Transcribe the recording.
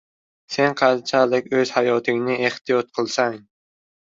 • Sen qanchalik o‘z hayotingni ehtiyot qilsang